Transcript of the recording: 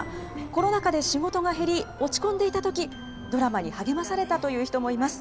コロナ禍で仕事が減り、落ち込んでいたとき、ドラマに励まされたという人もいます。